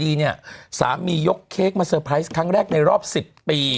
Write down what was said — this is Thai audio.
เนี่ยสามียกเค้กมาเตอร์ไพรส์ครั้งแรกในรอบ๑๐ปี